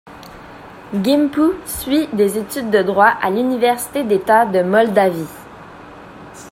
Ghimpu suit des études de droit à l'université d'État de Moldavie.